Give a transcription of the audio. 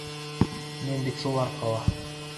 Мин бит шул арҡала...